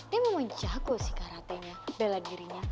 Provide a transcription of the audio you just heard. dia memang jago sih karate nya bela dirinya